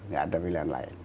gak ada pilihan lain